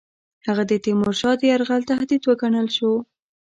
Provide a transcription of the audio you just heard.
هغه د تیمورشاه د یرغل تهدید وګڼل شو.